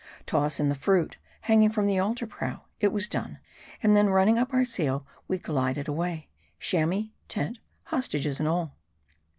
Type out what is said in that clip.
Toss in the fruit, hanging from the altar prow ! It was done ; and then running up our sail, we glided away ; Chamois, tent, hostages, and all.